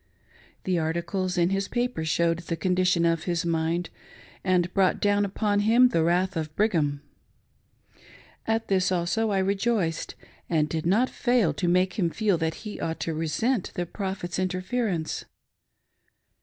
The articles in his paper showed the condition of his mind, and brought down upon him the wrath of Brigham; At this also I rejoiced, and did not fail to make him feel that he ought to resent the Prophet's interference.